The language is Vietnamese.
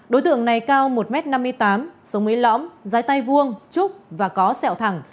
đối tượng này cao một m năm mươi tám sống mấy lõng giái tay vuông trúc và có sẹo thẳng